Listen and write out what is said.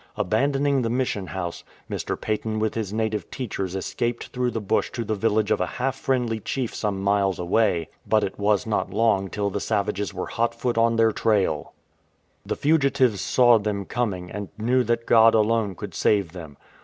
Abandoning the Mission House, Mr. Paton with his native teachers escaped through the bush to the village of a half friendly chief some miles away ; but it was not long till the savages were hot foot on their trail. 331 THE POWER OF PRAYER The fugitives saw them coming, and knew that God alone could save them.